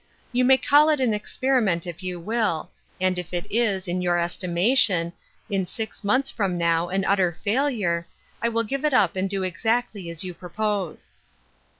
You may call it an experiment if you will, and if it is, in your estimation in six months from now an utter failure, I will give it up and do exactly as you propose."